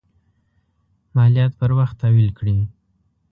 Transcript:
مالیات پر وخت تحویل کړي.